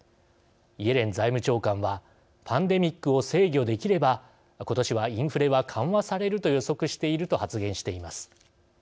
イエレン財務長官は「パンデミックを制御できればことしはインフレが緩和されると予測している」と発言しています。